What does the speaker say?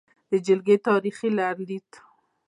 د جلکې تاریخې لرلید: